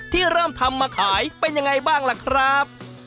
ที่เริ่มทำมาขายเป็นยังไงบ้างล่ะครับ